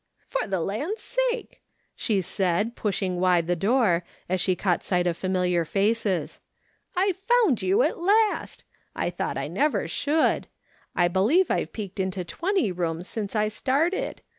" For the land's sake !" she said, pushing wide the door, as she caught sight of familiar faces. " I've found you at last. I thought I never should. I believe I've peeked into twenty rooms since I started.